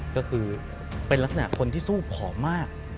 ก็คือเป็นลักษณะคนที่สู้ผอมมาก